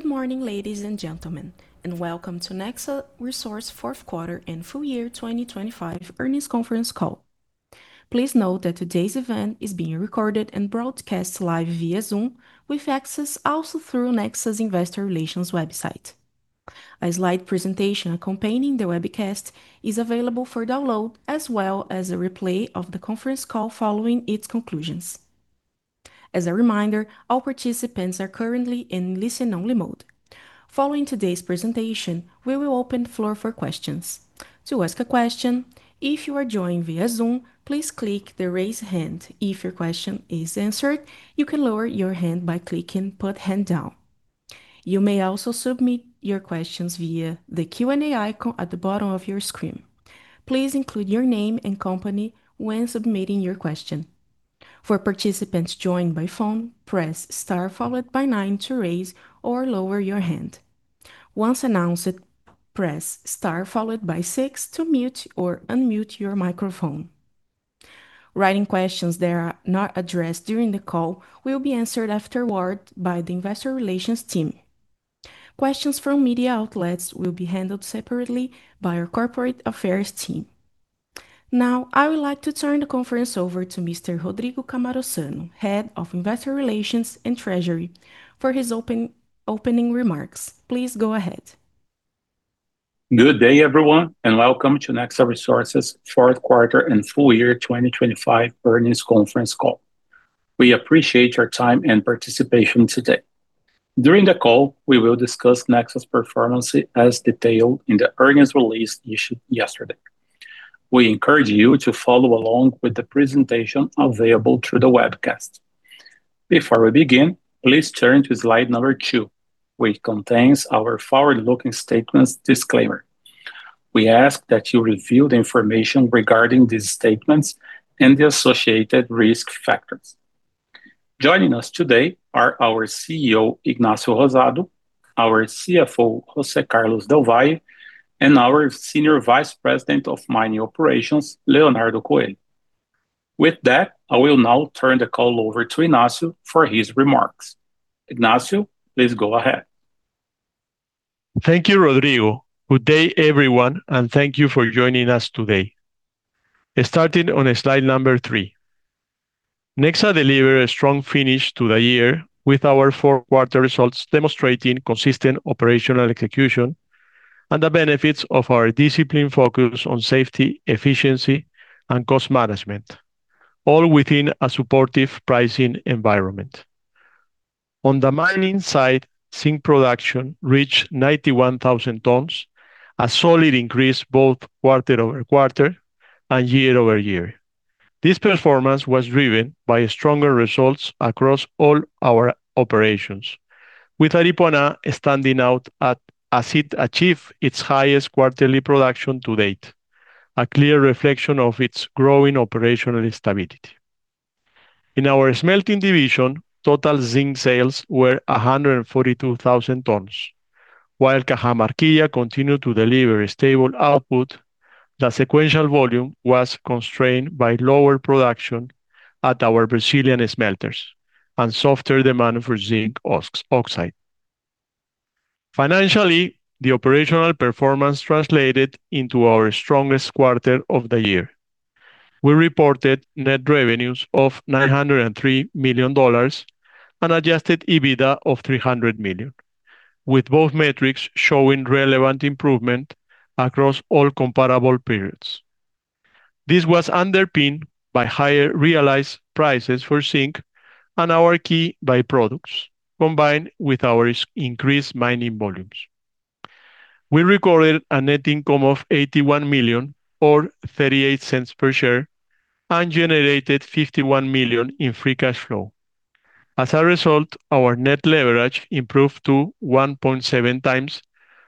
Good morning, ladies and gentlemen, and welcome to Nexa Resources fourth quarter and full year 2025 earnings conference call. Please note that today's event is being recorded and broadcast live via Zoom, with access also through Nexa's Investor Relations website. A slide presentation accompanying the webcast is available for download, as well as a replay of the conference call following its conclusions. As a reminder, all participants are currently in listen-only mode. Following today's presentation, we will open the floor for questions. To ask a question, if you are joining via Zoom, please click the Raise Hand. If your question is answered, you can lower your hand by clicking Put Hand Down. You may also submit your questions via the Q&A icon at the bottom of your screen. Please include your name and company when submitting your question. For participants joined by phone, press Star followed by Nine to raise or lower your hand. Once announced, press Star followed by Six to mute or unmute your microphone. Written questions that are not addressed during the call will be answered afterward by the Investor Relations team. Questions from media outlets will be handled separately by our Corporate Affairs team. Now, I would like to turn the conference over to Mr. Rodrigo Cammarosano, Head of Investor Relations and Treasury, for his opening remarks. Please go ahead. Good day, everyone, and welcome to Nexa Resources fourth quarter and full year 2025 earnings conference call. We appreciate your time and participation today. During the call, we will discuss Nexa's performance as detailed in the earnings release issued yesterday. We encourage you to follow along with the presentation available through the webcast. Before we begin, please turn to slide number 2, which contains our forward-looking statements disclaimer. We ask that you review the information regarding these statements and the associated risk factors. Joining us today are our CEO, Ignacio Rosado, our CFO, José Carlos del Valle, and our Senior Vice President of Mining Operations, Leonardo Coelho. With that, I will now turn the call over to Ignacio for his remarks. Ignacio, please go ahead. Thank you, Rodrigo. Good day, everyone, thank you for joining us today. Starting on slide number 3, Nexa delivered a strong finish to the year with our fourth quarter results demonstrating consistent operational execution and the benefits of our disciplined focus on safety, efficiency, and cost management, all within a supportive pricing environment. On the mining side, zinc production reached 91,000 tons, a solid increase both quarter-over-quarter and year-over-year. This performance was driven by stronger results across all our operations, with Aripuanã standing out as it achieved its highest quarterly production to date, a clear reflection of its growing operational stability. In our smelting division, total zinc sales were 142,000 tons. While Cajamarquilla continued to deliver a stable output, the sequential volume was constrained by lower production at our Brazilian smelters and softer demand for zinc oxide. Financially, the operational performance translated into our strongest quarter of the year. We reported net revenues of $903 million and adjusted EBITDA of $300 million, with both metrics showing relevant improvement across all comparable periods. This was underpinned by higher realized prices for zinc and our key by-products, combined with our increased mining volumes. We recorded a net income of $81 million or $0.38 per share and generated $51 million in free cash flow. As a result, our net leverage improved to 1.7 times,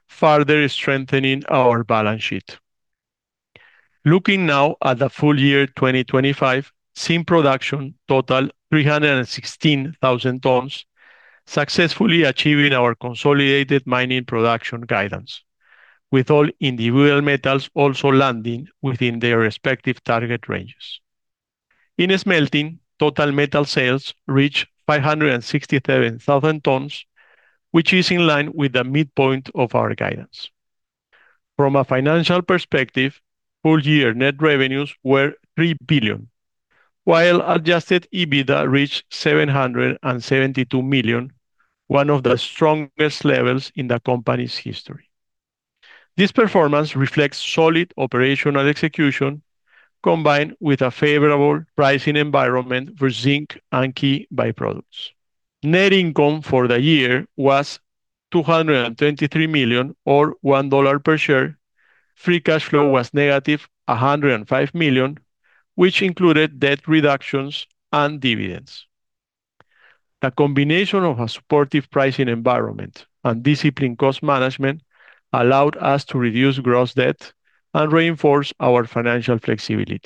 further strengthening our balance sheet. Looking now at the full year 2025, zinc production totaled 316,000 tons, successfully achieving our consolidated mining production guidance, with all individual metals also landing within their respective target ranges. In smelting, total metal sales reached 567,000 tons, which is in line with the midpoint of our guidance. From a financial perspective, full year net revenues were $3 billion, while adjusted EBITDA reached $772 million, one of the strongest levels in the company's history. This performance reflects solid operational execution, combined with a favorable pricing environment for zinc and key by-products. Net income for the year was $223 million, or $1 per share. Free cash flow was negative $105 million, which included debt reductions and dividends. A combination of a supportive pricing environment and disciplined cost management allowed us to reduce gross debt and reinforce our financial flexibility.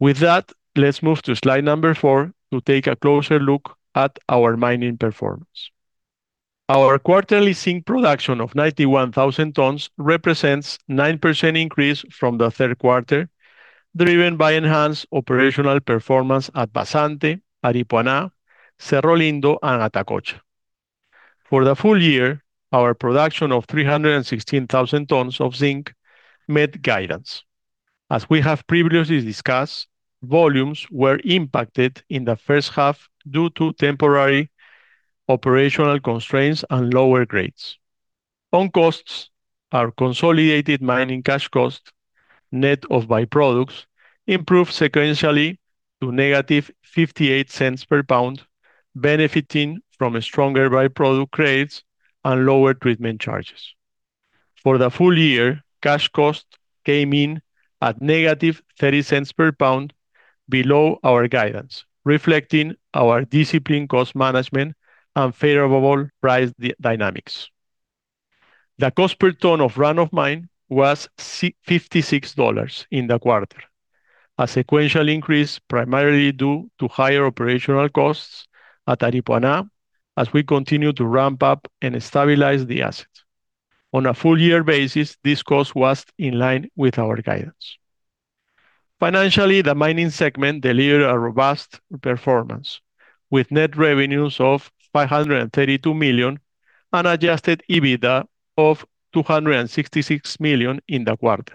With that, let's move to slide number four to take a closer look at our mining performance. Our quarterly zinc production of 91,000 tons represents a 9% increase from the third quarter, driven by enhanced operational performance at Vazante, Aripuanã, Cerro Lindo, and Atacocha. For the full year, our production of 316,000 tons of zinc met guidance. As we have previously discussed, volumes were impacted in the first half due to temporary operational constraints and lower grades. On costs, our consolidated mining cash cost, net of byproducts, improved sequentially to negative $0.58 per pound, benefiting from stronger byproduct grades and lower treatment charges. For the full year, cash cost came in at negative $0.30 per pound below our guidance, reflecting our disciplined cost management and favorable price dynamics. The cost per ton of run-of-mine was $56 in the quarter, a sequential increase primarily due to higher operational costs at Aripuanã as we continue to ramp up and stabilize the asset. On a full year basis, this cost was in line with our guidance. Financially, the mining segment delivered a robust performance, with net revenues of $532 million and adjusted EBITDA of $266 million in the quarter,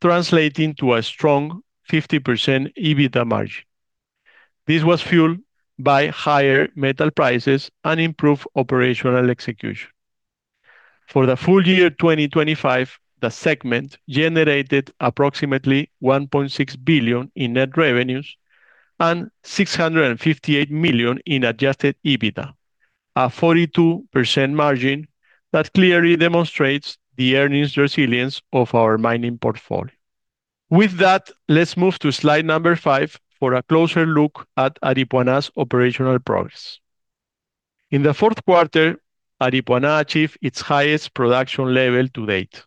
translating to a strong 50% EBITDA margin. This was fueled by higher metal prices and improved operational execution. For the full year 2025, the segment generated approximately $1.6 billion in net revenues and $658 million in adjusted EBITDA, a 42% margin that clearly demonstrates the earnings resilience of our mining portfolio. With that, let's move to slide number five for a closer look at Aripuanã's operational progress. In the fourth quarter, Aripuanã achieved its highest production level to date,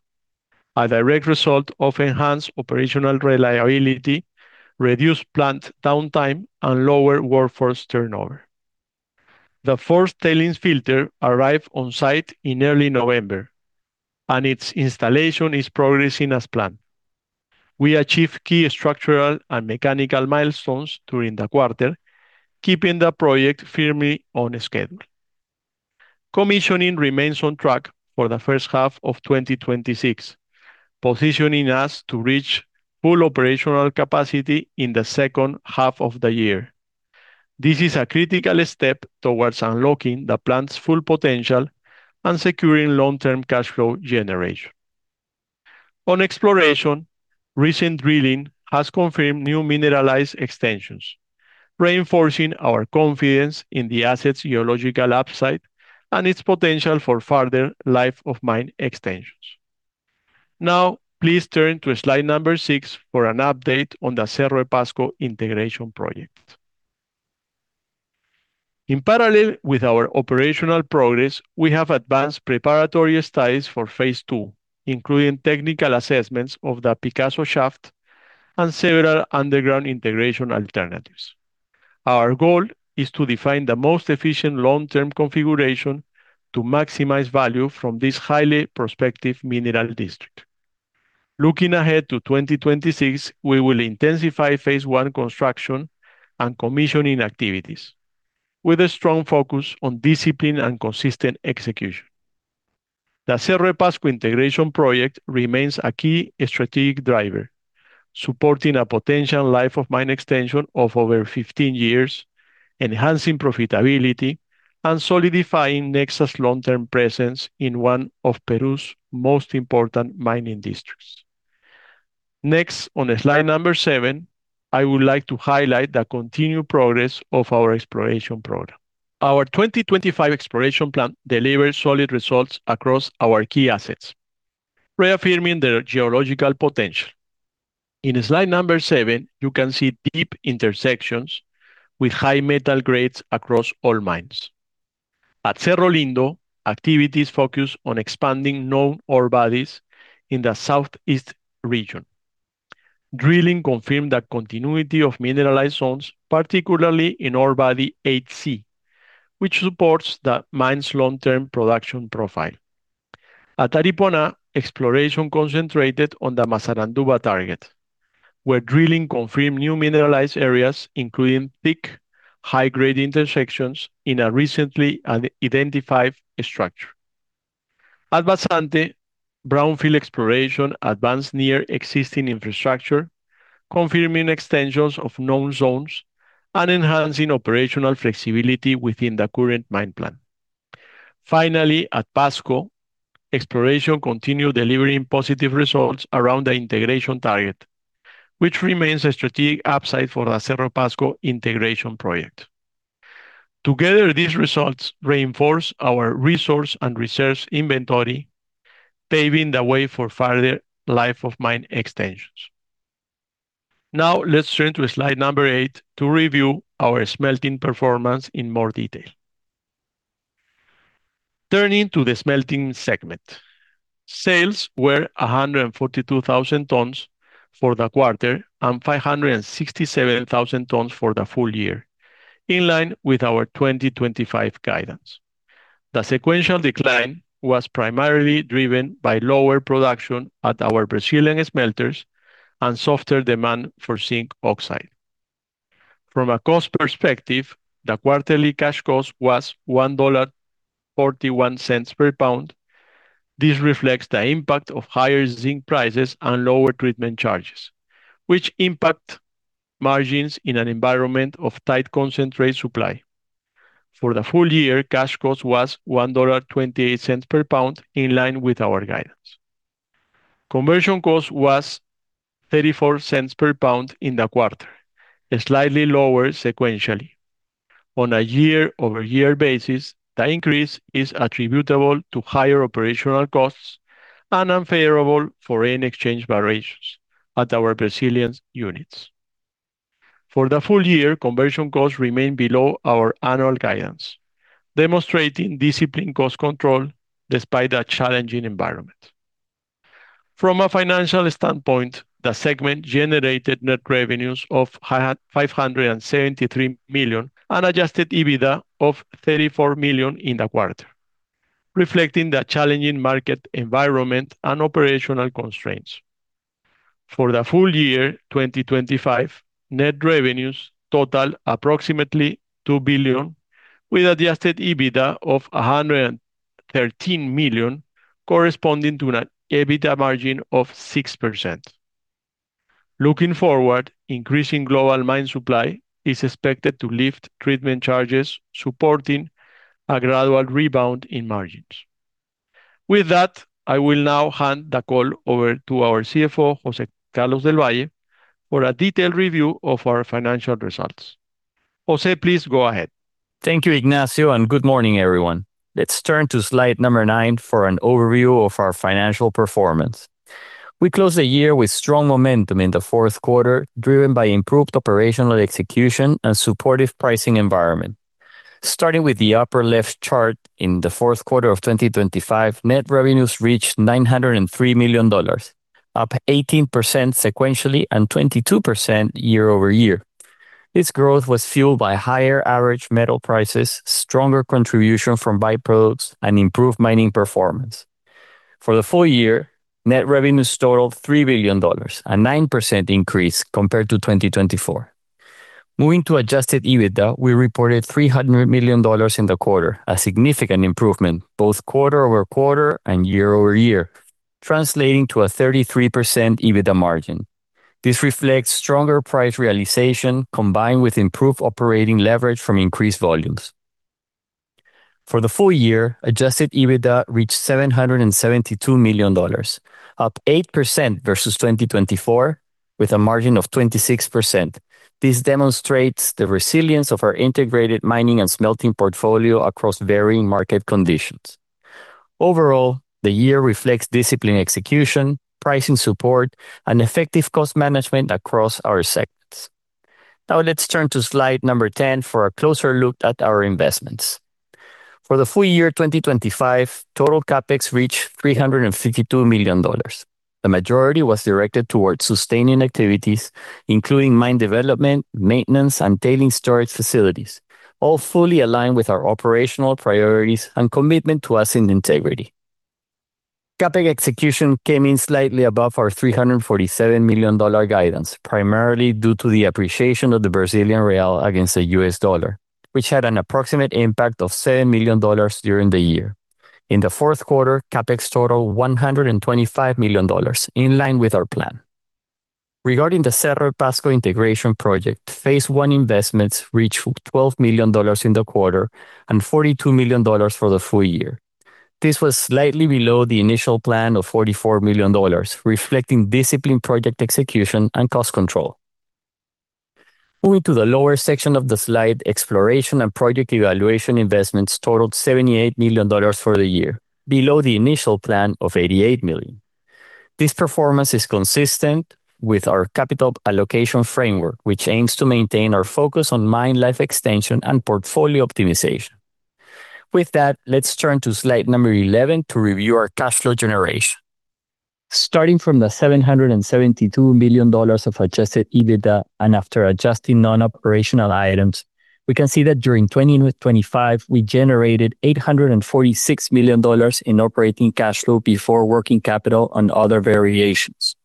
a direct result of enhanced operational reliability, reduced plant downtime, and lower workforce turnover. The fourth tailings filter arrived on site in early November, and its installation is progressing as planned. We achieved key structural and mechanical milestones during the quarter, keeping the project firmly on schedule. Commissioning remains on track for the first half of 2026, positioning us to reach full operational capacity in the second half of the year. This is a critical step towards unlocking the plant's full potential and securing long-term cash flow generation. On exploration, recent drilling has confirmed new mineralized extensions, reinforcing our confidence in the asset's geological upside and its potential for further life-of-mine extensions. Now, please turn to slide number 6 for an update on the Cerro Pasco Integration Project. In parallel with our operational progress, we have advanced preparatory studies for Phase 2, including technical assessments of the Picasso shaft and several underground integration alternatives. Our goal is to define the most efficient long-term configuration to maximize value from this highly prospective mineral district. Looking ahead to 2026, we will intensify Phase 1 construction and commissioning activities with a strong focus on discipline and consistent execution. The Cerro Pasco Integration Project remains a key strategic driver, supporting a potential life-of-mine extension of over 15 years, enhancing profitability, and solidifying Nexa's long-term presence in one of Peru's most important mining districts. Next, on slide number 7, I would like to highlight the continued progress of our exploration program. Our 2025 exploration plan delivered solid results across our key assets, reaffirming their geological potential. In slide number 7, you can see deep intersections with high metal grades across all mines. At Cerro Lindo, activities focus on expanding known ore bodies in the southeast region. Drilling confirmed the continuity of mineralized zones, particularly in ore body 8C, which supports the mine's long-term production profile. At Aripuanã, exploration concentrated on the Massaranduba target, where drilling confirmed new mineralized areas, including thick, high-grade intersections in a recently identified structure. At Vazante, brownfield exploration advanced near existing infrastructure, confirming extensions of known zones and enhancing operational flexibility within the current mine plan. Finally, at Pasco, exploration continued delivering positive results around the integration target, which remains a strategic upside for the Cerro Pasco Integration Project. Together, these results reinforce our resource and research inventory, paving the way for further life-of-mine extensions. Now, let's turn to slide number 8 to review our smelting performance in more detail. Turning to the smelting segment. Sales were 142,000 tons for the quarter and 567,000 tons for the full year, in line with our 2025 guidance. The sequential decline was primarily driven by lower production at our Brazilian smelters and softer demand for zinc oxide. From a cost perspective, the quarterly cash cost was $1.41 per pound. This reflects the impact of higher zinc prices and lower treatment charges, which impact margins in an environment of tight concentrate supply. For the full year, cash cost was $1.28 per pound, in line with our guidance. Conversion cost was $0.34 per pound in the quarter, slightly lower sequentially. On a year-over-year basis, the increase is attributable to higher operational costs and unfavorable foreign exchange variations at our Brazilian units. For the full year, conversion costs remain below our annual guidance, demonstrating disciplined cost control despite a challenging environment. From a financial standpoint, the segment generated net revenues of $573 million, and adjusted EBITDA of $34 million in the quarter, reflecting the challenging market environment and operational constraints. For the full year 2025, net revenues totaled approximately $2 billion, with adjusted EBITDA of $113 million, corresponding to an EBITDA margin of 6%. Looking forward, increasing global mine supply is expected to lift treatment charges, supporting a gradual rebound in margins. With that, I will now hand the call over to our CFO, José Carlos del Valle, for a detailed review of our financial results. Jose, please go ahead. Thank you, Ignacio, and good morning, everyone. Let's turn to slide number 9 for an overview of our financial performance. We closed the year with strong momentum in the fourth quarter, driven by improved operational execution and supportive pricing environment. Starting with the upper left chart, in the fourth quarter of 2025, net revenues reached $903 million, up 18% sequentially and 22% year-over-year. This growth was fueled by higher average metal prices, stronger contribution from byproducts, and improved mining performance. For the full year, net revenues totaled $3 billion, a 9% increase compared to 2024. Moving to adjusted EBITDA, we reported $300 million in the quarter, a significant improvement, both quarter-over-quarter and year-over-year, translating to a 33% EBITDA margin. This reflects stronger price realization, combined with improved operating leverage from increased volumes. For the full year, adjusted EBITDA reached $772 million, up 8% versus 2024, with a margin of 26%. This demonstrates the resilience of our integrated mining and smelting portfolio across varying market conditions. Overall, the year reflects disciplined execution, pricing support, and effective cost management across our segments. Now, let's turn to slide number 10 for a closer look at our investments. For the full year 2025, total CapEx reached $352 million. The majority was directed towards sustaining activities, including mine development, maintenance, and tailing storage facilities, all fully aligned with our operational priorities and commitment to asset integrity. CapEx execution came in slightly above our $347 million guidance, primarily due to the appreciation of the Brazilian real against the US dollar, which had an approximate impact of $7 million during the year. In the fourth quarter, CapEx totaled $125 million, in line with our plan. Regarding the Cerro Pasco Integration Project, phase one investments reached $12 million in the quarter and $42 million for the full year. This was slightly below the initial plan of $44 million, reflecting disciplined project execution and cost control. Moving to the lower section of the slide, exploration and project evaluation investments totaled $78 million for the year, below the initial plan of $88 million. This performance is consistent with our capital allocation framework, which aims to maintain our focus on mine life extension and portfolio optimization. With that, let's turn to slide number 11 to review our cash flow generation. Starting from the $772 million of adjusted EBITDA, after adjusting non-operational items, we can see that during 2025, we generated $846 million in operating cash flow before working capital on other variations.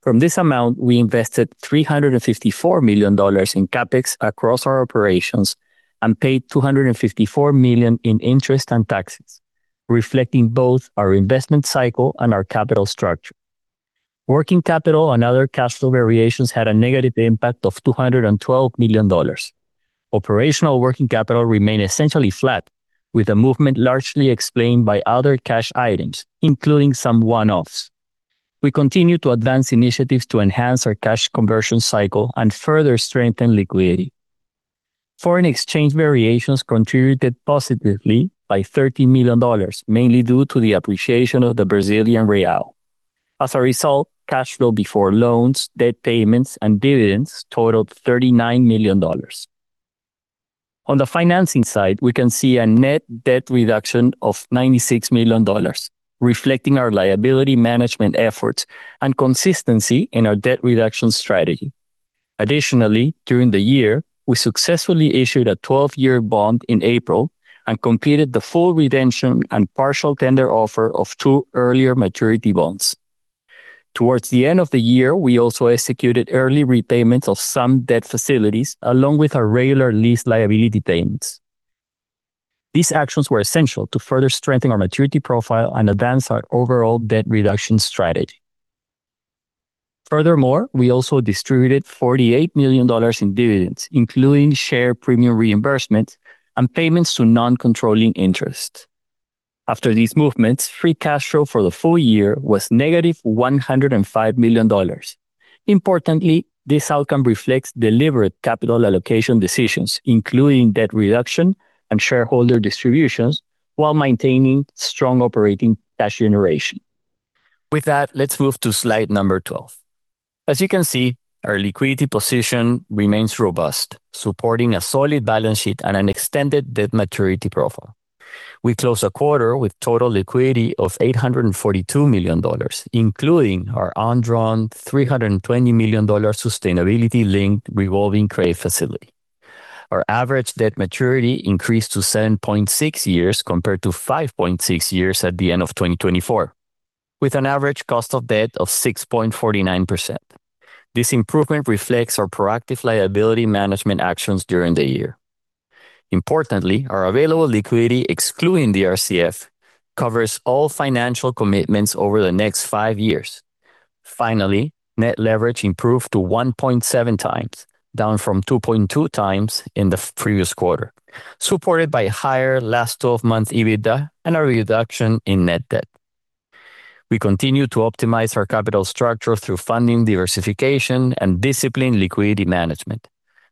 From this amount, we invested $354 million in CapEx across our operations and paid $254 million in interest and taxes, reflecting both our investment cycle and our capital structure. Working capital and other cash flow variations had a negative impact of $212 million. Operational working capital remained essentially flat, with the movement largely explained by other cash items, including some one-offs. We continue to advance initiatives to enhance our cash conversion cycle and further strengthen liquidity. Foreign exchange variations contributed positively by $13 million, mainly due to the appreciation of the Brazilian real. As a result, cash flow before loans, debt payments, and dividends totaled $39 million. On the financing side, we can see a net debt reduction of $96 million, reflecting our liability management efforts and consistency in our debt reduction strategy. Additionally, during the year, we successfully issued a 12-year bond in April and completed the full redemption and partial tender offer of two earlier maturity bonds. Towards the end of the year, we also executed early repayments of some debt facilities, along with our regular lease liability payments. These actions were essential to further strengthen our maturity profile and advance our overall debt reduction strategy. Furthermore, we also distributed $48 million in dividends, including share premium reimbursements and payments to non-controlling interests. After these movements, free cash flow for the full year was -$105 million. Importantly, this outcome reflects deliberate capital allocation decisions, including debt reduction and shareholder distributions, while maintaining strong operating cash generation. With that, let's move to slide number 12. As you can see, our liquidity position remains robust, supporting a solid balance sheet and an extended debt maturity profile. We close the quarter with total liquidity of $842 million, including our undrawn $320 million sustainability-linked revolving credit facility. Our average debt maturity increased to 7.6 years, compared to 5.6 years at the end of 2024, with an average cost of debt of 6.49%. This improvement reflects our proactive liability management actions during the year. Importantly, our available liquidity, excluding the RCF, covers all financial commitments over the next 5 years. Finally, net leverage improved to 1.7x, down from 2.2x in the previous quarter, supported by higher last 12-month EBITDA and a reduction in net debt. We continue to optimize our capital structure through funding diversification and disciplined liquidity management.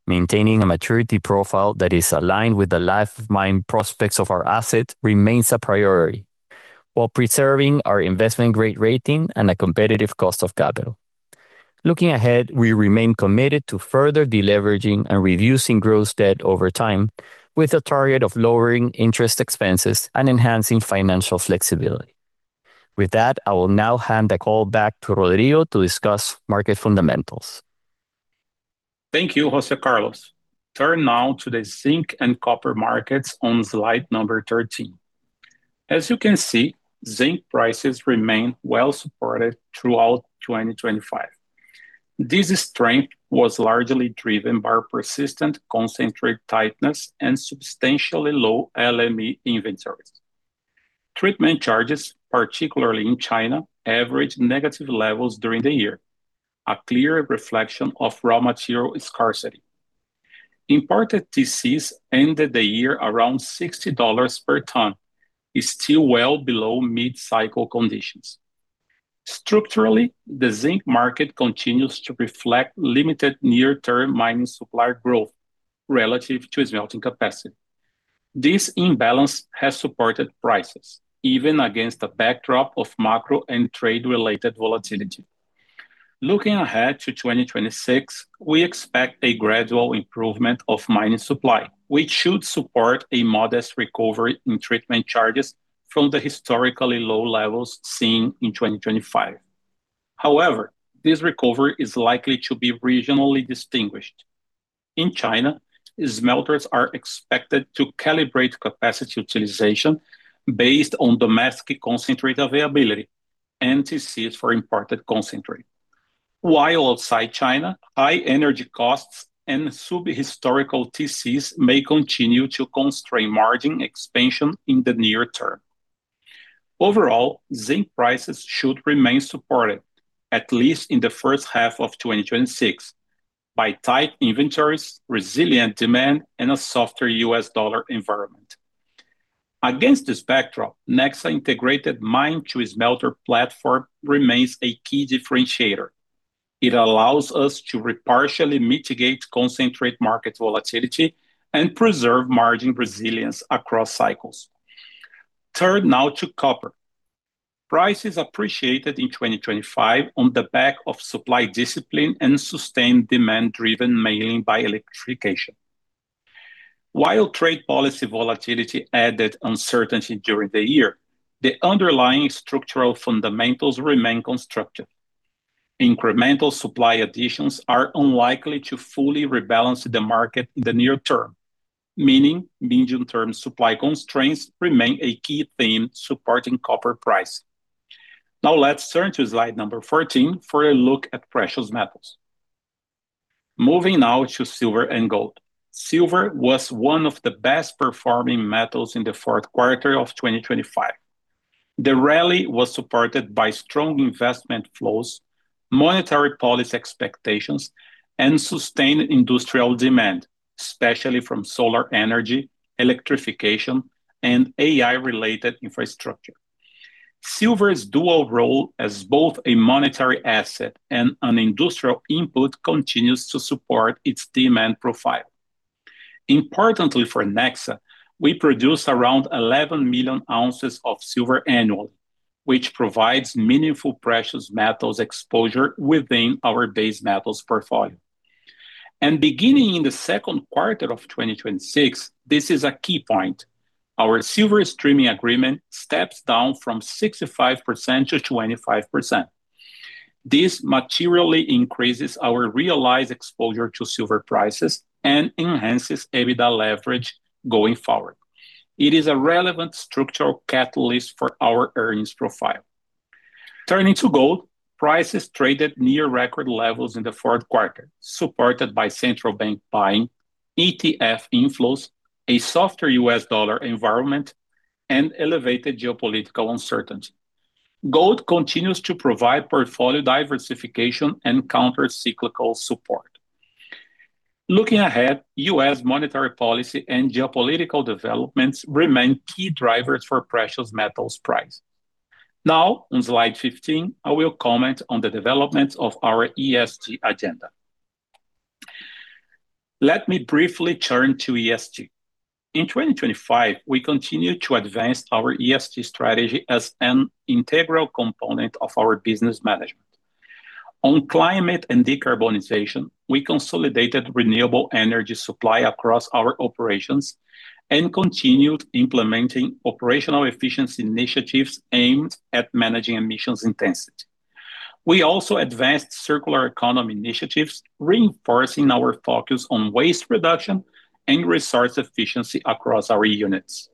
Maintaining a maturity profile that is aligned with the life mine prospects of our assets remains a priority, while preserving our investment-grade rating and a competitive cost of capital. Looking ahead, we remain committed to further deleveraging and reducing gross debt over time, with a target of lowering interest expenses and enhancing financial flexibility. With that, I will now hand the call back to Rodrigo to discuss market fundamentals. Thank you, José Carlos. Turn now to the zinc and copper markets on slide number 13. As you can see, zinc prices remained well-supported throughout 2025. This strength was largely driven by persistent concentrate tightness and substantially low LME inventories. Treatment charges, particularly in China, averaged negative levels during the year, a clear reflection of raw material scarcity. Imported TCs ended the year around $60 per ton, is still well below mid-cycle conditions. Structurally, the zinc market continues to reflect limited near-term mining supply growth relative to smelting capacity. This imbalance has supported prices, even against a backdrop of macro and trade-related volatility. Looking ahead to 2026, we expect a gradual improvement of mining supply, which should support a modest recovery in treatment charges from the historically low levels seen in 2025. However, this recovery is likely to be regionally distinguished. In China, smelters are expected to calibrate capacity utilization based on domestic concentrate availability and TCs for imported concentrate. Outside China, high energy costs and sub-historical TCs may continue to constrain margin expansion in the near term. Zinc prices should remain supported, at least in the first half of 2026, by tight inventories, resilient demand, and a softer US dollar environment. Against this backdrop, Nexa integrated mine-to-smelter platform remains a key differentiator. It allows us to partially mitigate concentrate market volatility and preserve margin resilience across cycles. Turn now to copper. Prices appreciated in 2025 on the back of supply discipline and sustained demand driven mainly by electrification. Trade policy volatility added uncertainty during the year, the underlying structural fundamentals remain constructive. Incremental supply additions are unlikely to fully rebalance the market in the near term, meaning medium-term supply constraints remain a key theme supporting copper price. Let's turn to slide 14 for a look at precious metals. Moving now to silver and gold. Silver was one of the best-performing metals in the fourth quarter of 2025. The rally was supported by strong investment flows, monetary policy expectations, and sustained industrial demand, especially from solar energy, electrification, and AI-related infrastructure. Silver's dual role as both a monetary asset and an industrial input continues to support its demand profile. Importantly for Nexa, we produce around 11 million ounces of silver annually, which provides meaningful precious metals exposure within our base metals portfolio. Beginning in the second quarter of 2026, this is a key point, our silver streaming agreement steps down from 65% to 25%. This materially increases our realized exposure to silver prices and enhances EBITDA leverage going forward. It is a relevant structural catalyst for our earnings profile. Turning to gold, prices traded near record levels in the fourth quarter, supported by central bank buying, ETF inflows, a softer US dollar environment, and elevated geopolitical uncertainty. Gold continues to provide portfolio diversification and countercyclical support. Looking ahead, US monetary policy and geopolitical developments remain key drivers for precious metals price. Now, on Slide 15, I will comment on the developments of our ESG agenda. Let me briefly turn to ESG. In 2025, we continued to advance our ESG strategy as an integral component of our business management. On climate and decarbonization, we consolidated renewable energy supply across our operations and continued implementing operational efficiency initiatives aimed at managing emissions intensity. We also advanced circular economy initiatives, reinforcing our focus on waste reduction and resource efficiency across our units.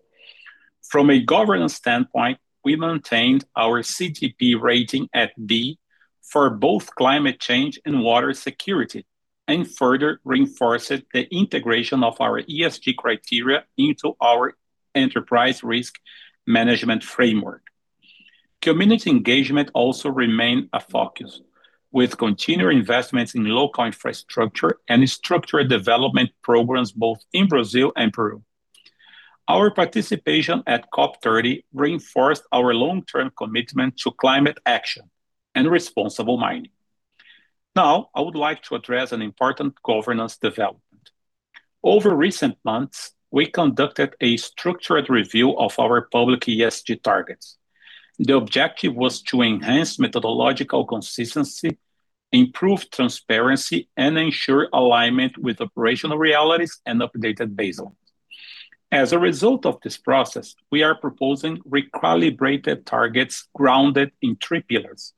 From a governance standpoint, we maintained our CDP rating at B for both climate change and water security, and further reinforced the integration of our ESG criteria into our enterprise risk management framework. Community engagement also remained a focus, with continued investments in local infrastructure and structured development programs both in Brazil and Peru. Our participation at COP30 reinforced our long-term commitment to climate action and responsible mining. Now, I would like to address an important governance development. Over recent months, we conducted a structured review of our public ESG targets. The objective was to enhance methodological consistency, improve transparency, and ensure alignment with operational realities and updated baselines. As a result of this process, we are proposing recalibrated targets grounded in three pillars.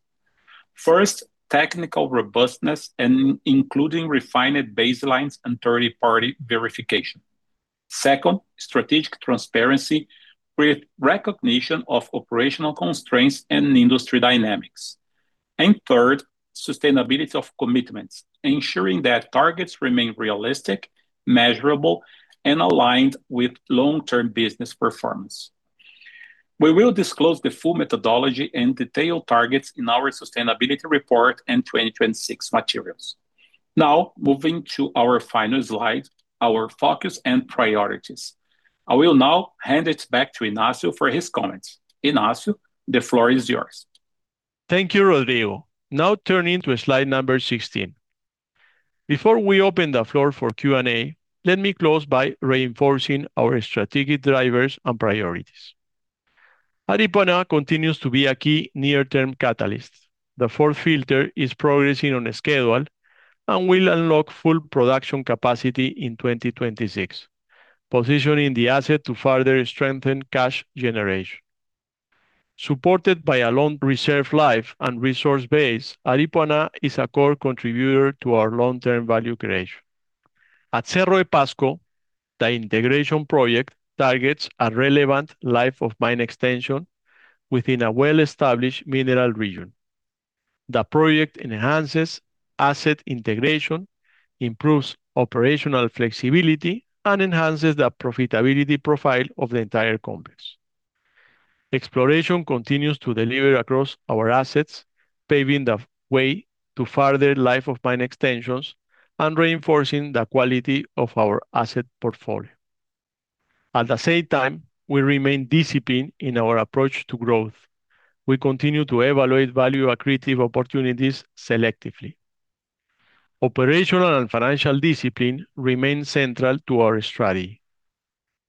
First, technical robustness and including refined baselines and third-party verification. Second, strategic transparency with recognition of operational constraints and industry dynamics. Third, sustainability of commitments, ensuring that targets remain realistic, measurable, and aligned with long-term business performance. We will disclose the full methodology and detailed targets in our sustainability report in 2026 materials. Now, moving to our final slide, our focus and priorities. I will now hand it back to Ignacio for his comments. Ignacio, the floor is yours. Thank you, Rodrigo. Turning to slide number 16. Before we open the floor for Q&A, let me close by reinforcing our strategic drivers and priorities. Aripuanã continues to be a key near-term catalyst. The fourth filter is progressing on schedule and will unlock full production capacity in 2026, positioning the asset to further strengthen cash generation. Supported by a long reserve life and resource base, Aripuanã is a core contributor to our long-term value creation. At Cerro Pasco, the integration project targets a relevant life of mine extension within a well-established mineral region. The project enhances asset integration, improves operational flexibility, and enhances the profitability profile of the entire complex. Exploration continues to deliver across our assets, paving the way to further life of mine extensions and reinforcing the quality of our asset portfolio. At the same time, we remain disciplined in our approach to growth. We continue to evaluate value accretive opportunities selectively. Operational and financial discipline remain central to our strategy.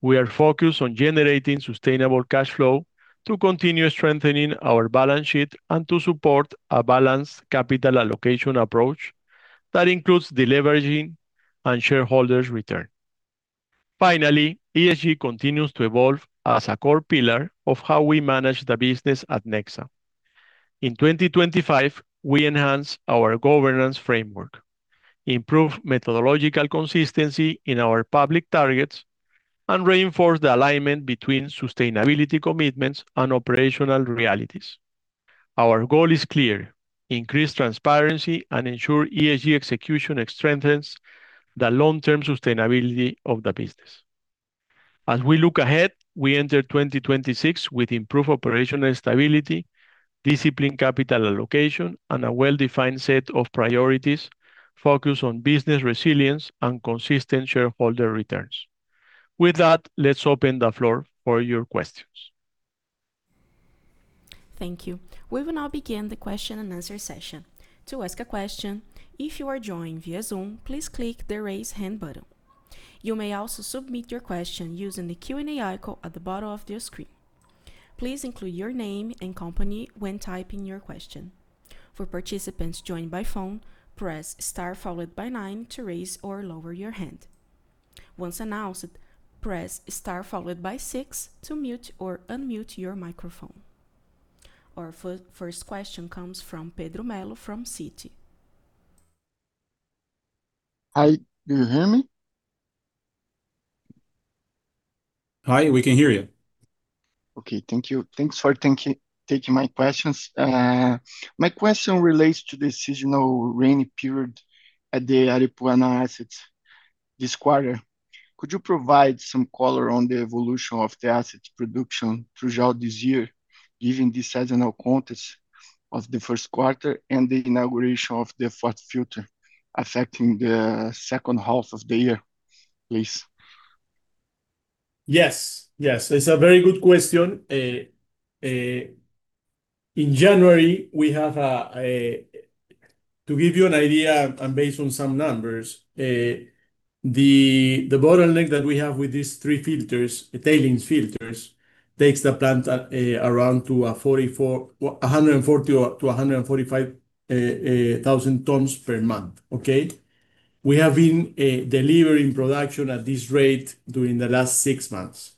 We are focused on generating sustainable cash flow to continue strengthening our balance sheet and to support a balanced capital allocation approach that includes deleveraging and shareholders' return. Finally, ESG continues to evolve as a core pillar of how we manage the business at Nexa. In 2025, we enhanced our governance framework, improved methodological consistency in our public targets, and reinforced the alignment between sustainability commitments and operational realities. Our goal is clear: increase transparency and ensure ESG execution strengthens the long-term sustainability of the business. As we look ahead, we enter 2026 with improved operational stability, disciplined capital allocation, and a well-defined set of priorities focused on business resilience and consistent shareholder returns. With that, let's open the floor for your questions. Thank you. We will now begin the question and answer session. To ask a question, if you are joining via Zoom, please click the Raise Hand button. You may also submit your question using the Q&A icon at the bottom of your screen. Please include your name and company when typing your question. For participants joined by phone, press star followed by 9 to raise or lower your hand. Once announced, press star followed by 6 to mute or unmute your microphone. Our first question comes from Pedro Melo, from Citi. Hi, can you hear me? Hi, we can hear you. Okay, thank you. Thanks for taking my questions. My question relates to the seasonal rainy period at the Aripuanã assets this quarter. Could you provide some color on the evolution of the asset production throughout this year, given the seasonal context of the first quarter and the inauguration of the fourth filter affecting the second half of the year, please? Yes, it's a very good question. In January, we have To give you an idea and based on some numbers, the bottleneck that we have with these 3 filters, tailings filters, takes the plant at around 140,000-145,000 tons per month, okay? We have been delivering production at this rate during the last 6 months.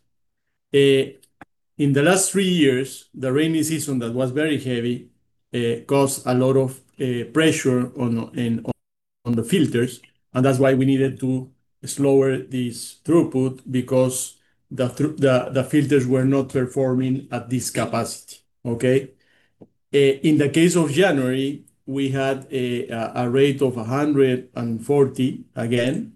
In the last 3 years, the rainy season, that was very heavy, caused a lot of pressure on the filters, and that's why we needed to slower this throughput, because the filters were not performing at this capacity, okay? In the case of January, we had a rate of 140 again,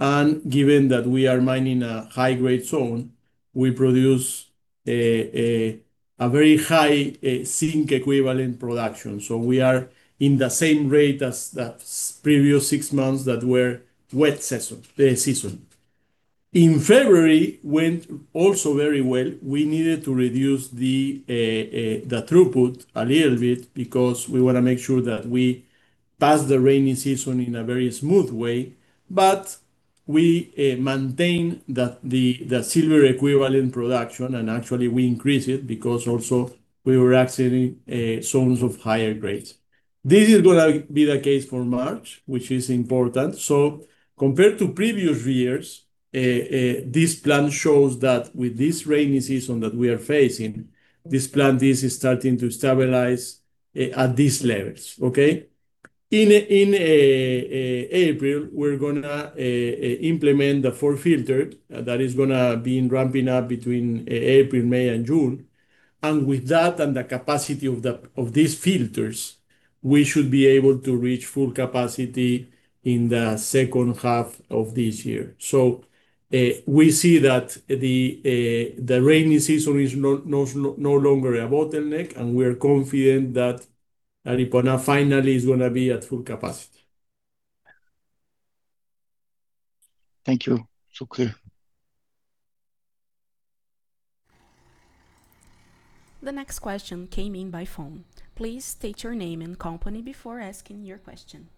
and given that we are mining a high-grade zone, we produce a very high zinc equivalent production. We are in the same rate as the previous 6 months that were wet season. In February, it went also very well. We needed to reduce the throughput a little bit because we want to make sure that we pass the rainy season in a very smooth way, but we maintain the silver equivalent production, and actually we increase it because also we were accessing zones of higher grades. This is going to be the case for March, which is important. Compared to previous years, this plan shows that with this rainy season that we are facing, this plant is starting to stabilize at these levels, okay? In April, we're gonna implement the fourth filter that is gonna be in ramping up between April, May, and June. With that and the capacity of these filters, we should be able to reach full capacity in the second half of this year. We see that the rainy season is no longer a bottleneck, and we are confident that Aripuanã finally is gonna be at full capacity. Thank you. It's so clear. The next question came in by phone. Please state your name and company before asking your question.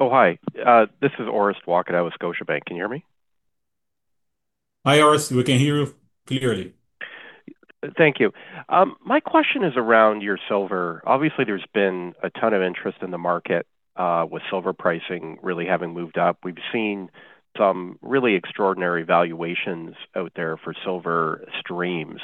Oh, hi, this is Orest Wowkodaw with Scotiabank. Can you hear me? Hi, Orest, we can hear you clearly. Thank you. My question is around your silver. Obviously, there's been a ton of interest in the market, with silver pricing really having moved up. We've seen some really extraordinary valuations out there for silver streams.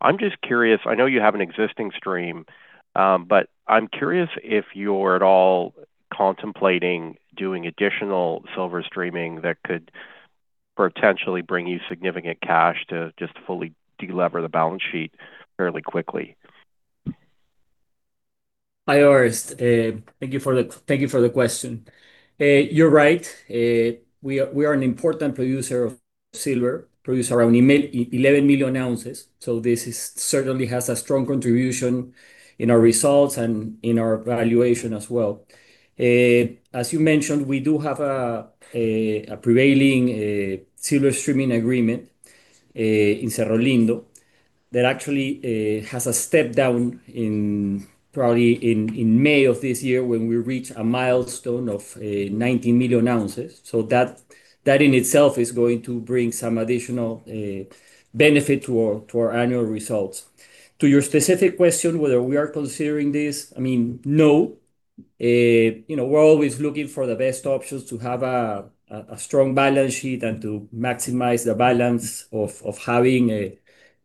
I'm just curious, I know you have an existing stream, but I'm curious if you're at all contemplating doing additional silver streaming that could potentially bring you significant cash to just fully delever the balance sheet fairly quickly. Hi, Orest, thank you for the question. You're right. We are an important producer of silver, produce around 11 million ounces, this is certainly has a strong contribution in our results and in our valuation as well. As you mentioned, we do have a prevailing silver streaming agreement in Cerro Lindo that actually has a step down in probably in May of this year, when we reach a milestone of 19 million ounces. That in itself is going to bring some additional benefit to our annual results. To your specific question, whether we are considering this, I mean, no. You know, we're always looking for the best options to have a strong balance sheet and to maximize the balance of having a,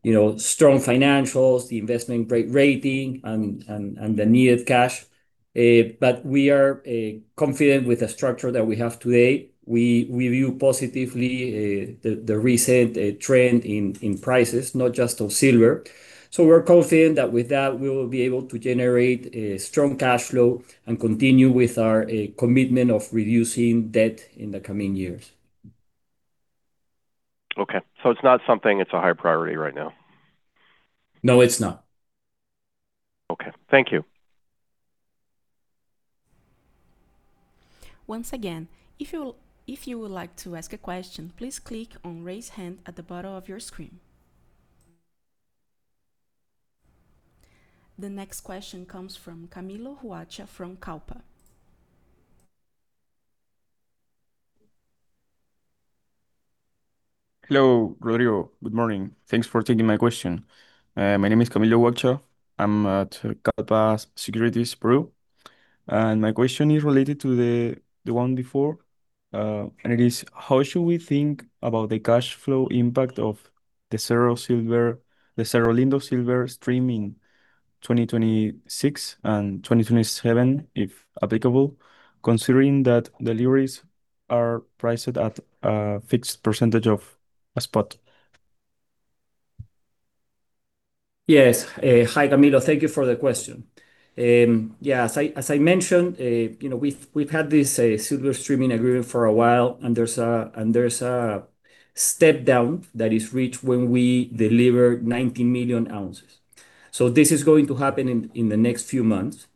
you know, strong financials, the investment-grade rating, and the needed cash. We are confident with the structure that we have today. We view positively the recent trend in prices, not just of silver. We're confident that with that, we will be able to generate a strong cash flow and continue with our commitment of reducing debt in the coming years. Okay. It's not something that's a high priority right now? No, it's not. Okay. Thank you. Once again, if you would like to ask a question, please click on Raise Hand at the bottom of your screen. The next question comes from Camilo Pardo from Kallpa Securities. Hello, Rodrigo. Good morning. Thanks for taking my question. My name is Camilo Pardo. I'm at Kallpa Securities, Peru, and my question is related to the one before, and it is: how should we think about the cash flow impact of the Cerro Lindo silver stream in 2026 and 2027, if applicable, considering that deliveries are priced at a fixed percentage of a spot? Yes. Hi, Camilo. Thank you for the question. Yeah, as I mentioned, you know, we've had this silver streaming agreement for a while, and there's a step down that is reached when we deliver 90 million ounces. This is going to happen in the next few months.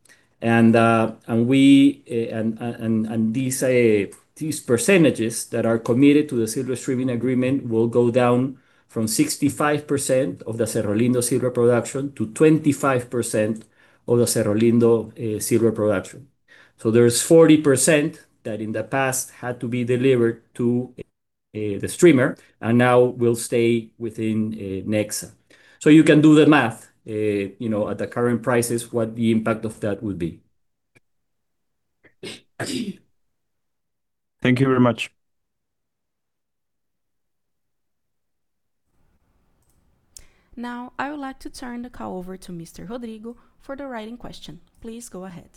We and these percentages that are committed to the silver streaming agreement will go down from 65% of the Cerro Lindo silver production to 25% of the Cerro Lindo silver production. There's 40% that in the past had to be delivered to the streamer, and now will stay within Nexa. You can do the math, you know, at the current prices, what the impact of that will be. Thank you very much. I would like to turn the call over to Mr. Rodrigo for the writing question. Please go ahead.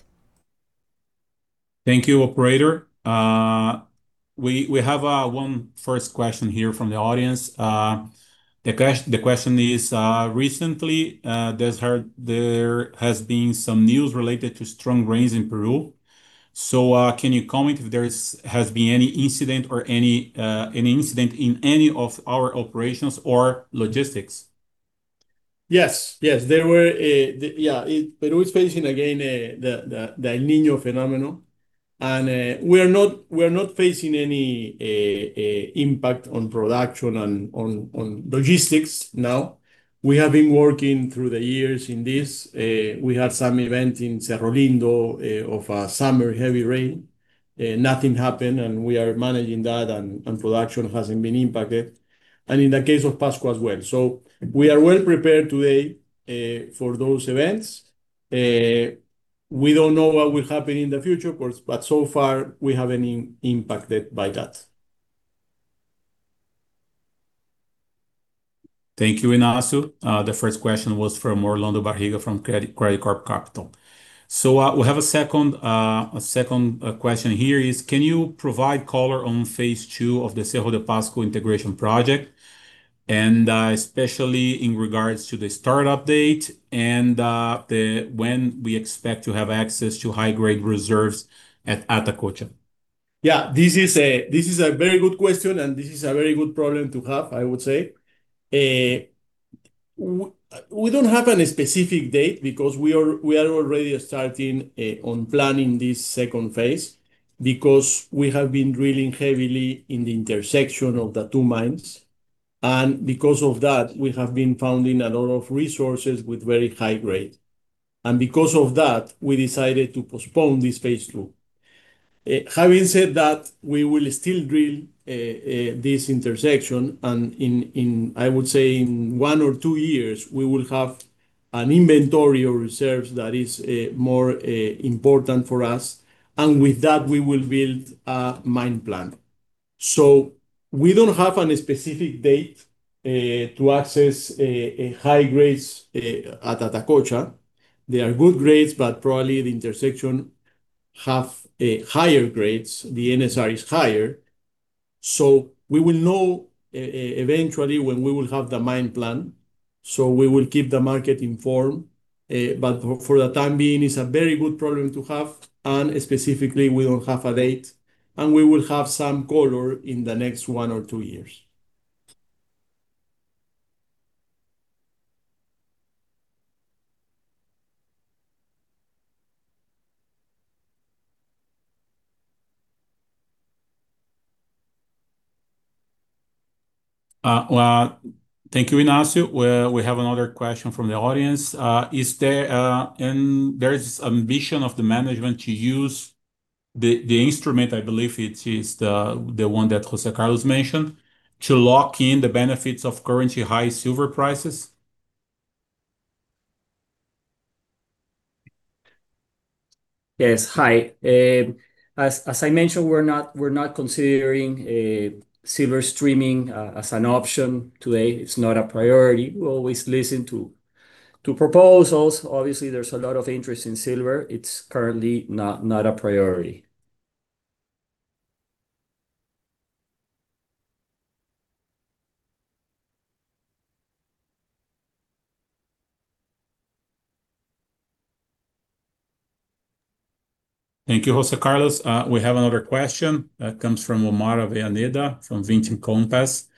Thank you, operator. We have one first question here from the audience. The question is, recently, there has been some news related to strong rains in Peru. Can you comment if there has been any incident or any an incident in any of our operations or logistics? Yes, yes, there were. Yeah, Peru is facing again the El Niño phenomenon, and we are not facing any impact on production and on logistics now. We have been working through the years in this. We had some event in Cerro Lindo of summer heavy rain, nothing happened, and we are managing that, and production hasn't been impacted, and in the case of Pasco as well. We are well prepared today for those events. We don't know what will happen in the future, of course, but so far we haven't been impacted by that. Thank you, Ignacio. The first question was from Orlando Barriga from Credicorp Capital. We have a second question here, is: Can you provide color on Phase 2 of the Cerro de Pasco integration project, and, especially in regards to the start-up date and when we expect to have access to high-grade reserves at Atacocha? This is a very good question, and this is a very good problem to have, I would say. We don't have any specific date because we are already starting on planning this second phase, because we have been drilling heavily in the intersection of the 2 mines, and because of that, we have been finding a lot of resources with very high grade. Because of that, we decided to postpone this phase 2. Having said that, we will still drill this intersection, and in, I would say in 1 or 2 years, we will have an inventory of reserves that is more important for us, and with that, we will build a mine plan. We don't have any specific date to access high grades at Atacocha. They are good grades, probably the intersection have a higher grades, the NSR is higher. We will know eventually when we will have the mine plan, we will keep the market informed, for the time being, it's a very good problem to have, specifically, we don't have a date, we will have some color in the next one or two years. Well, thank you, Ignacio. We have another question from the audience. Is there, and there is this ambition of the management to use the instrument, I believe it is the one that José Carlos mentioned, to lock in the benefits of currently high silver prices? Yes, hi. As I mentioned, we're not considering silver streaming as an option today. It's not a priority. We always listen to proposals. Obviously, there's a lot of interest in silver. It's currently not a priority. Thank you, Jose Carlos. We have another question that comes from Omar Avellaneda, from Compass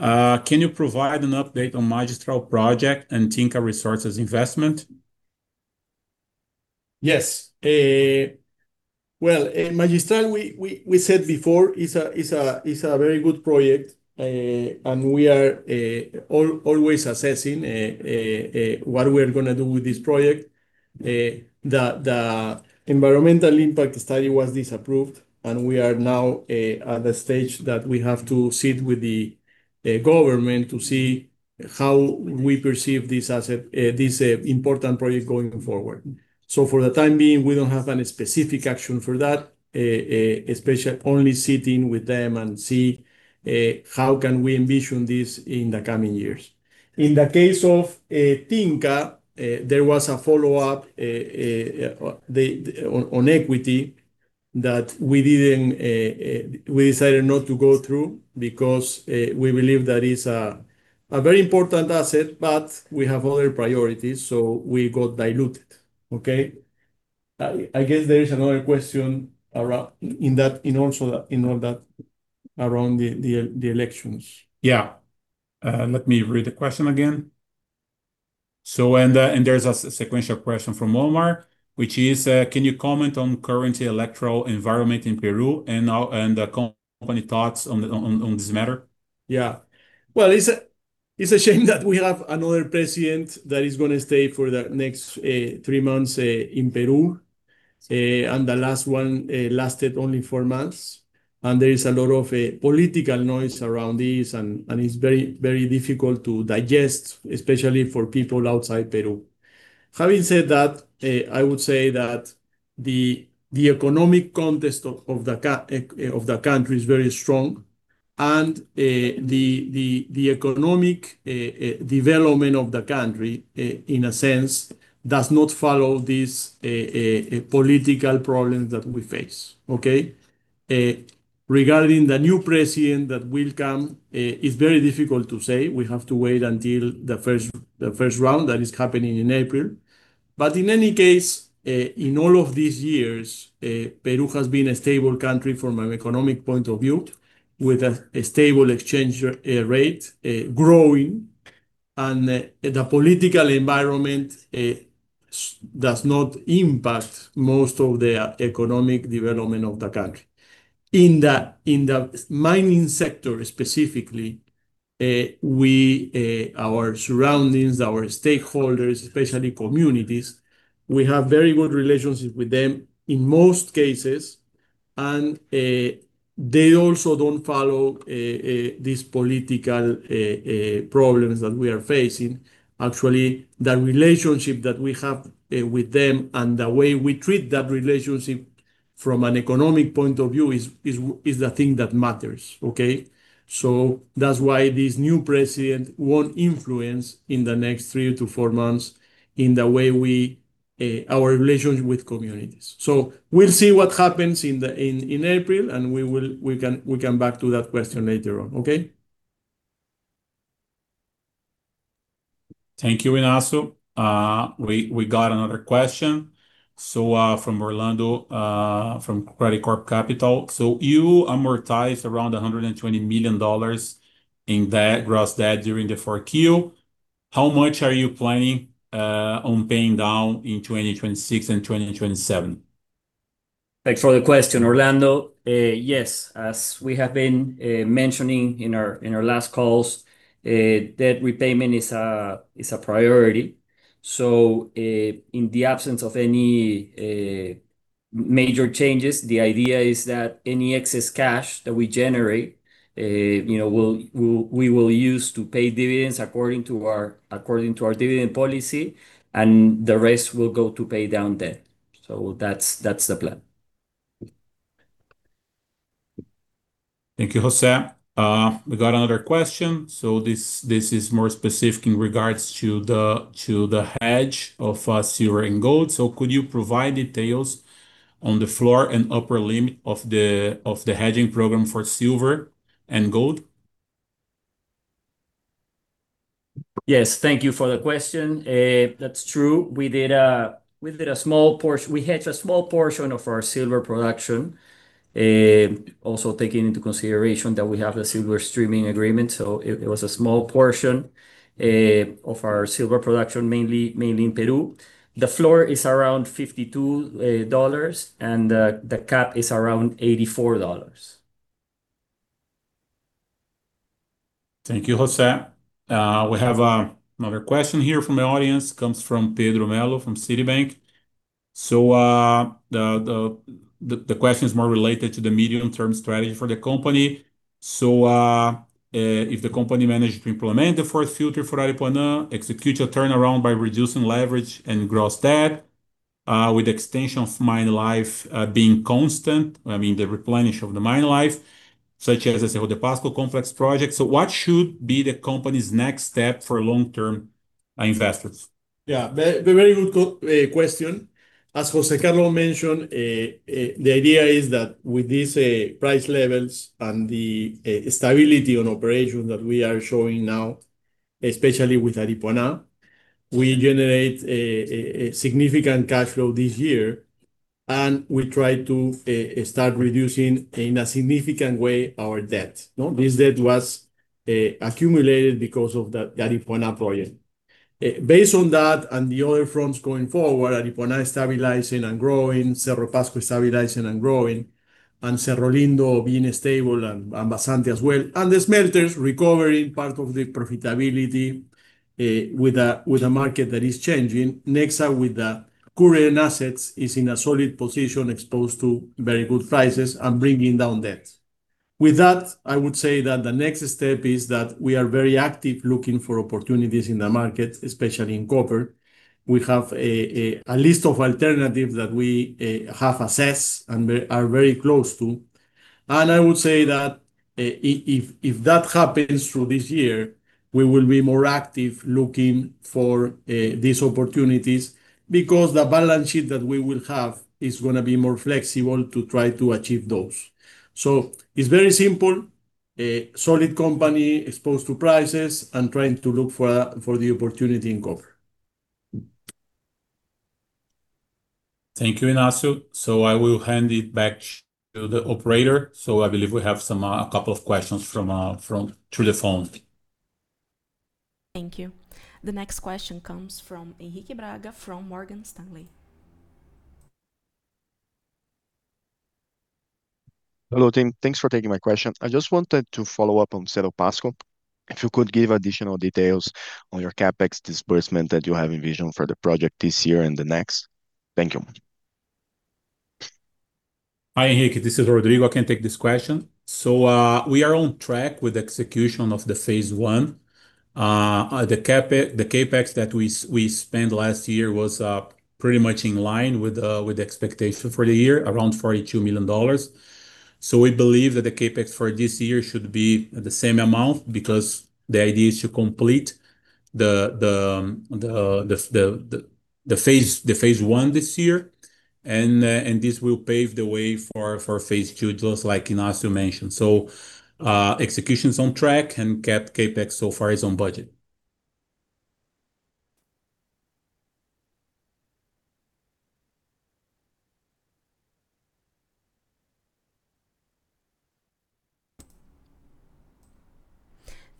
Group. Can you provide an update on Ayawilca project and Tinka Resources investment? Yes. Well, in Ayawilca, we said before, it's a very good project, and we are always assessing what we are gonna do with this project. The environmental impact study was disapproved, and we are now at the stage that we have to sit with the government to see how we perceive this as a this important project going forward. For the time being, we don't have any specific action for that, especially only sitting with them and see how can we envision this in the coming years. In the case of Tinka, there was a follow-up, the, on equity that we didn't. We decided not to go through, because, we believe that is a very important asset, but we have other priorities, so we got diluted. Okay? I guess there is another question around, in that, in also, in all that around the elections. Yeah. Let me read the question again. There's a sequential question from Omar, which is: "Can you comment on current electoral environment in Peru, and the company thoughts on the, on this matter? Yeah. Well, it's a, it's a shame that we have another president that is gonna stay for the next 3 months in Peru. The last one lasted only 4 months, and there is a lot of political noise around this, and it's very, very difficult to digest, especially for people outside Peru. Having said that, I would say that the economic context of the country is very strong, and the economic development of the country, in a sense, does not follow this political problems that we face. Okay? Regarding the new president that will come, it's very difficult to say. We have to wait until the first round that is happening in April. In any case, in all of these years, Peru has been a stable country from an economic point of view, with a stable exchange rate, growing, and the political environment does not impact most of the economic development of the country. In the mining sector specifically, we, our surroundings, our stakeholders, especially communities, we have very good relationships with them in most cases, and they also don't follow these political problems that we are facing. Actually, the relationship that we have with them and the way we treat that relationship from an economic point of view is the thing that matters, okay? That's why this new president won't influence in the next three to four months in the way we, our relationship with communities. We'll see what happens in April, and we will, we can, we come back to that question later on, okay? Thank you, Ignacio. we got another question. from Orlando from Credicorp Capital: "You amortize around $120 million in debt, gross debt, during the 4Q. How much are you planning on paying down in 2026 and 2027? Thanks for the question, Orlando. Yes, as we have been mentioning in our last calls, debt repayment is a priority. In the absence of any major changes, the idea is that any excess cash that we generate, you know, we will use to pay dividends according to our dividend policy, and the rest will go to pay down debt. That's, that's the plan. Thank you, Jose. We got another question. This is more specific in regards to the hedge of silver and gold. "Could you provide details on the floor and upper limit of the hedging program for silver and gold? Yes, thank you for the question. That's true. We did a small portion. We hedged a small portion of our silver production. Also taking into consideration that we have a silver streaming agreement, so it was a small portion of our silver production, mainly in Peru. The floor is around $52, and the cap is around $84. Thank you, José. We have another question here from the audience, comes from Pedro Melo, from Citi. The question is more related to the medium-term strategy for the company. "If the company managed to implement the fourth filter for Aripuanã, execute a turnaround by reducing leverage and gross debt, with extension of mine life being constant, I mean, the replenish of the mine life, such as, let's say, with the Pasco Complex project, what should be the company's next step for long-term investments? Yeah, very good question. As José Carlo mentioned, the idea is that with these price levels and the stability on operation that we are showing now, especially with Aripuanã, we generate a significant cash flow this year, and we try to start reducing, in a significant way, our debt. This debt was accumulated because of the Aripuanã project. Based on that and the other fronts going forward, Aripuanã is stabilizing and growing, Cerro Pasco is stabilizing and growing, and Cerro Lindo being stable, and Vazante as well, and the smelters recovering part of the profitability with a market that is changing. Nexa, with the current assets is in a solid position, exposed to very good prices and bringing down debt. With that, I would say that the next step is that we are very active looking for opportunities in the market, especially in copper. We have a list of alternatives that we have assessed and we are very close to. I would say that if that happens through this year, we will be more active looking for these opportunities, because the balance sheet that we will have is gonna be more flexible to try to achieve those. It's very simple: a solid company exposed to prices and trying to look for the opportunity in copper. Thank you, Ignacio. I will hand it back to the operator. I believe we have some, a couple of questions from through the phone. Thank you. The next question comes from Henrique Braga, from Morgan Stanley. Hello, team. Thanks for taking my question. I just wanted to follow up on Cerro Pasco. If you could give additional details on your CapEx disbursement that you have envisioned for the project this year and the next. Thank you. Hi, Henrique, this is Rodrigo. I can take this question. We are on track with execution of the phase one. The CapEx that we spent last year was pretty much in line with the expectation for the year, around $42 million. We believe that the CapEx for this year should be the same amount, because the idea is to complete the phase one this year. This will pave the way for phase two, just like Ignacio mentioned. Execution's on track, and CapEx so far is on budget.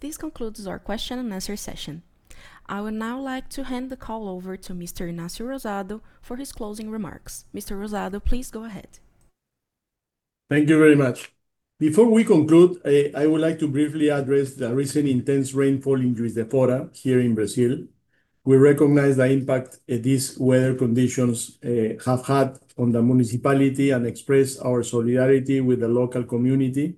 This concludes our question and answer session. I would now like to hand the call over to Mr. Ignacio Rosado for his closing remarks. Mr. Rosado, please go ahead. Thank you very much. Before we conclude, I would like to briefly address the recent intense rainfall in Juiz de Fora here in Brazil. We recognize the impact these weather conditions have had on the municipality, express our solidarity with the local community.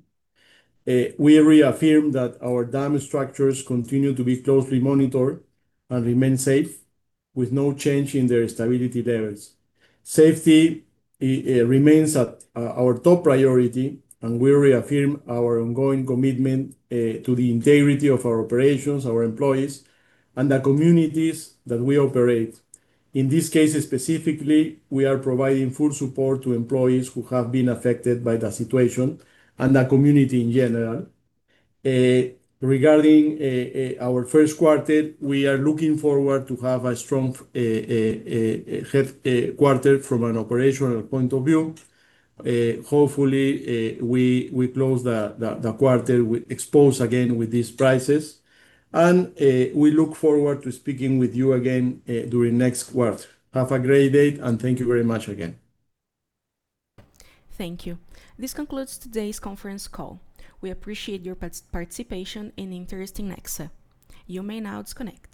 We reaffirm that our dam structures continue to be closely monitored and remain safe, with no change in their stability levels. Safety remains at our top priority, we reaffirm our ongoing commitment to the integrity of our operations, our employees, and the communities that we operate. In this case specifically, we are providing full support to employees who have been affected by the situation and the community in general. Regarding our first quarter, we are looking forward to have a strong quarter from an operational point of view. Hopefully, we close the quarter with exposed again with these prices. We look forward to speaking with you again during next quarter. Have a great day, and thank you very much again. Thank you. This concludes today's conference call. We appreciate your participation and interest in Nexa. You may now disconnect.